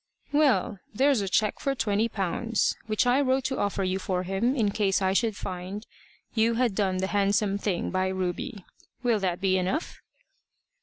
"Well, there's a cheque for twenty pounds, which I wrote to offer you for him, in case I should find you had done the handsome thing by Ruby. Will that be enough?"